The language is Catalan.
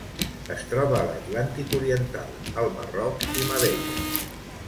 Es troba a l'Atlàntic oriental: el Marroc i Madeira.